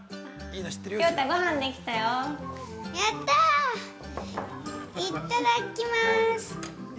いただきまーす。